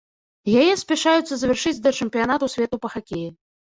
Яе спяшаюцца завяршыць да чэмпіянату свету па хакеі.